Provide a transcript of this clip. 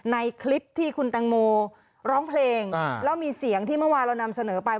ในคลิปที่คุณตังโมร้องเพลงแล้วมีเสียงที่เมื่อวานเรานำเสนอไป